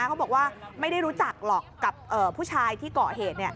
เขาบอกว่าไม่ได้รู้จักหรอกกับผู้ชายที่เกาะเหตุ